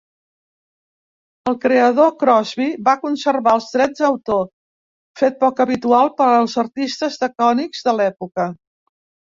El creador Crosby va conservar els drets d'autor, fet poc habitual per als artistes de còmics de l'època.